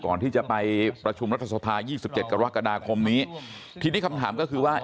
ก่อนที่จะไปประชุมรัฐสภายี่สิบเจ็ดกรกฎาคมนี้ทีนี้คำถามก็คือว่า